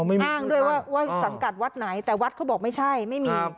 อ้างด้วยว่าสังกัดวัดไหนแต่วัดเขาบอกไม่ใช่ไม่มี